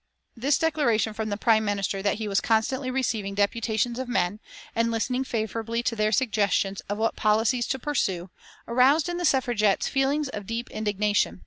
This declaration from the Prime Minister that he was constantly receiving deputations of men, and listening favourably to their suggestions of what policies to pursue, aroused in the Suffragettes feelings of deep indignation.